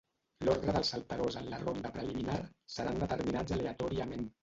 L'ordre dels saltadors en la ronda preliminar seran determinats aleatòriament.